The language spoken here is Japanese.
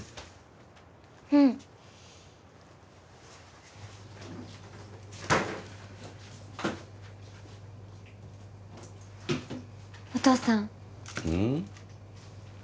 うんお父さんうん？